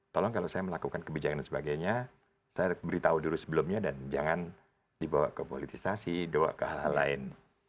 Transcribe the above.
tolong kalau saya melakukan kebijakan dan sebagainya saya beritahu dulu sebelumnya dan jangan dibawa ke politisasi doa ke hal hal lain